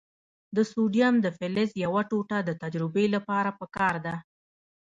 د سوډیم د فلز یوه ټوټه د تجربې لپاره پکار ده.